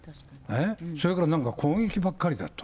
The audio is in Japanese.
それからなんか、攻撃ばっかりだと。